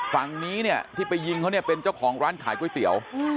ฝั่งนี้ที่ไปยิงเขาเป็นเจ้าของร้านขายก๋วยเตี๋ยว